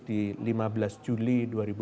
di lima belas juli dua ribu dua puluh